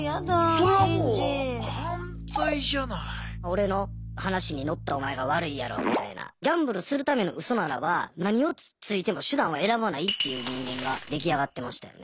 俺の話にのったお前が悪いやろみたいなギャンブルするためのウソならば何をついても手段は選ばないっていう人間が出来上がってましたよね。